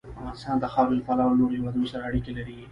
افغانستان د خاوره له پلوه له نورو هېوادونو سره اړیکې لري.